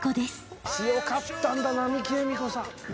強かったんだ並木惠美子さん。